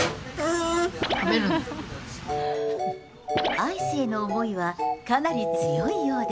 アイスへの思いは、かなり強いようで。